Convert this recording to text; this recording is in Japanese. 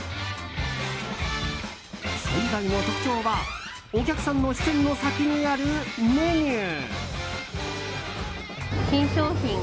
最大の特徴はお客さんの視線の先にあるメニュー。